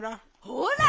ほら！